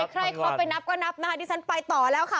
ใครเคาะไปนับก็นับนะคะดิฉันไปต่อแล้วค่ะ